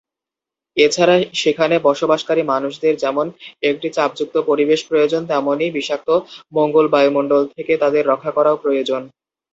এছাড়া সেখানে বসবাসকারী মানুষদের যেমন একটি চাপযুক্ত পরিবেশ প্রয়োজন তেমনি বিষাক্ত মঙ্গল-বায়ুমন্ডল থেকে তাদের রক্ষা করাও প্রয়োজন।